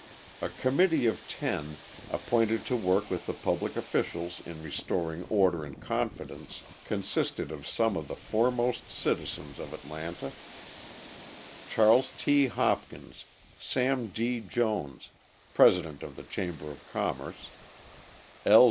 A committee of ten, appointed to work with the public officials in restoring order and confidence, consisted of some of the foremost citizens of Atlanta: Charles T. Hopkins, Sam D. Jones, President of the Chamber of Commerce; L.